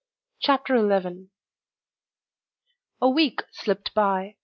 CHAPTER XI A week slipped by.